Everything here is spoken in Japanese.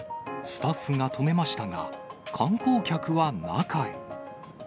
スタッフが止めましたが、観光客は中へ。